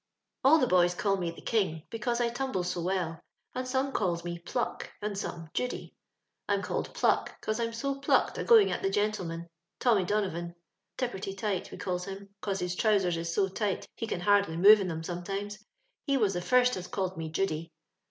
" All the boys call me the King, because I tumbles so well, and some calls me * Pluck,' and some * Judy.' I'm called * Pluck,' cause I'm so plucked a going at the gentlemen! Tommy Dunnovan —* Tipperty Tight' — we calls him, cos his trousers is so tight he can hardly move in them sometimes, — he was the first as called me *Judy.'